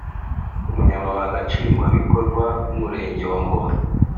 umunyamabanga nshingwabikorwa w’umurenge wa Ngoma